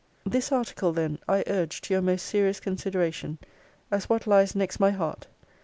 'This article, then, I urge to your most serious consideration, as what lies next my heart.